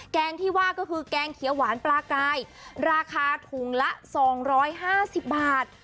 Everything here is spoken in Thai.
แกงที่ว่าก็คือแกงเขียวหวานปลากายราคาถุงละ๒๕๐บาท